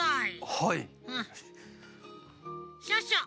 はい。